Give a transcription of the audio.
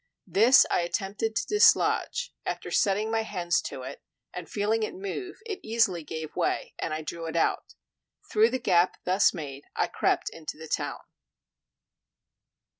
This I attempted to dislodge; after setting my hands to it, and feeling it move, it easily gave way, and I drew it out. Through the gap thus made I crept into the town.